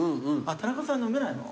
田中さん飲めないの？